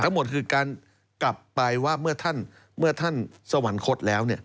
หมดคือการกลับไปว่าเมื่อท่านสวรรคตแล้ว